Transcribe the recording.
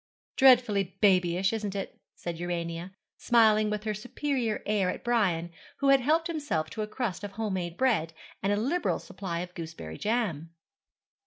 'Dreadfully babyish, isn't it?' said Urania, smiling with her superior air at Brian, who had helped himself to a crust of home made bread, and a liberal supply of gooseberry jam.